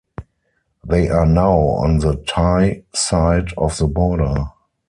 They are now on the Thai side of the border.